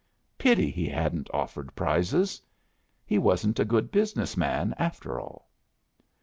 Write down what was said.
Pity he hadn't offered prizes! He wasn't a good business man, after all!